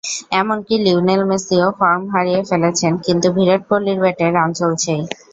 এমনকি লিওনেল মেসিও ফর্ম হারিয়ে ফেলেছেন, কিন্তু বিরাট কোহলির ব্যাটে রান চলছেই।